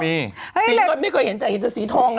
มีมันไม่เคยเห็นจักรเห็นสีทองอะเยอะ